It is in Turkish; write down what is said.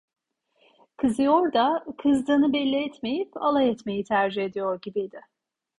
Kızıyor da kızdığını belli etmeyip alay etmeyi tercih ediyor gibiydi.